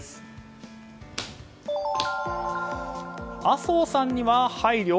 麻生さんには配慮？